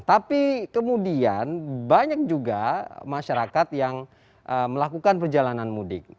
tapi kemudian banyak juga masyarakat yang melakukan perjalanan mudik